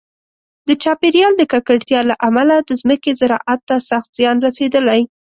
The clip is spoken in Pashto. د چاپیریال د ککړتیا له امله د ځمکې زراعت ته سخت زیان رسېدلی.